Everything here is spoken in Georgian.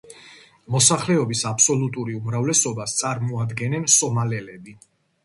მოსახლეობის აბსოლუტური უმრავლესობას წარმოადგენენ სომალელები.